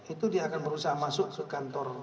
itu dia akan berusaha masuk ke kantor